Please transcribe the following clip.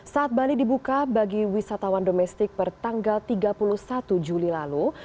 saat bali dibuka bagi wisatawan domestik bertanggal tiga puluh satu juli lalu